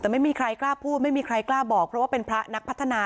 แต่ไม่มีใครกล้าพูดไม่มีใครกล้าบอกเพราะว่าเป็นพระนักพัฒนา